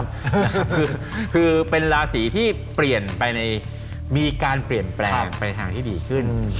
คือเป็นราศีที่มีการเปลี่ยนแปลงเป็นทางที่ดีขึ้น